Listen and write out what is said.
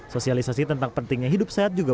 sosialisasi tentang pentingnya hidup sehat juga